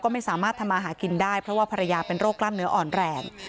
ไม่สามารถทำมาหากินได้เพราะว่าภรรยาเป็นโรคกล้ามเนื้ออ่อนแรง